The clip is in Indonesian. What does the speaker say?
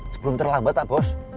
sebelum terlambat pak bos